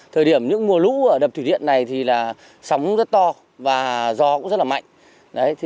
thời điểm những mùa lũ ở đập thủy điện này thì là sóng rất to và gió cũng rất là mạnh